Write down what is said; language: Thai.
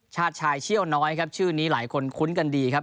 ชาติชายเชี่ยวน้อยครับชื่อนี้หลายคนคุ้นกันดีครับ